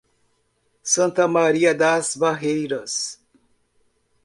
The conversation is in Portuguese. Santa Maria das Barreiras